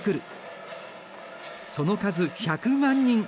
その数１００万人。